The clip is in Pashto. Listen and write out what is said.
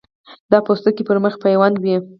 دا پوستکی پر مخ یې پیوند وي.